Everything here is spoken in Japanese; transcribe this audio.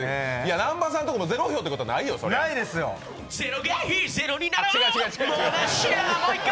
南波さんのとこもゼロ票ってことはないでしょう。